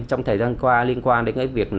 trong thời gian qua liên quan đến cái việc